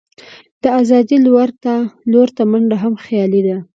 د آزادۍ لور ته منډه هم خیالي ده.